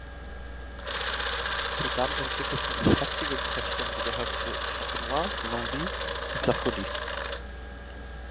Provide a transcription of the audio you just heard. Sodann entwickelten sich heftige Gefechte um die Gehöfte Champenois, L’Envie und la Folie.